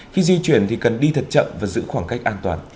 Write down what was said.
khi di chuyển thì cần đi thật chậm và giữ khoảng cách an toàn